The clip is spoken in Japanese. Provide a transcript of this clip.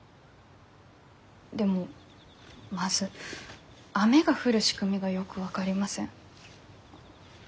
でもまず雨が降る仕組みがよく分かりません。